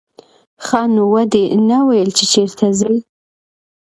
ښه نو ودې نه ویل چې چېرته ځې.